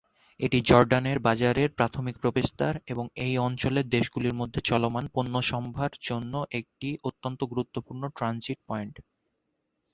এটি জর্ডানের বাজারের প্রাথমিক প্রবেশ দ্বার এবং এই অঞ্চলের দেশগুলির মধ্যে চলমান পণ্যসম্ভার জন্য একটি অত্যন্ত গুরুত্বপূর্ণ ট্রানজিট পয়েন্ট।